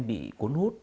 nó bị cốn hút